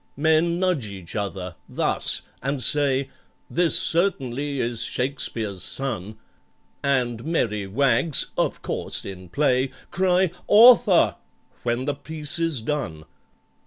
"Men nudge each other—thus—and say, 'This certainly is SHAKESPEARE'S son,' And merry wags (of course in play) Cry 'Author!' when the piece is done.